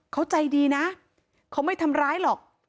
เขาใจดีนะเขาไม่ทำร้ายหรอก